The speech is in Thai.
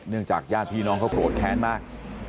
จากญาติพี่น้องเขาโกรธแค้นมาก